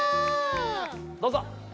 どうぞ。